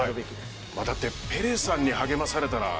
ペレさんに励まされたら。